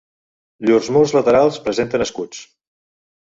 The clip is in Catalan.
Llurs murs laterals presenten escuts.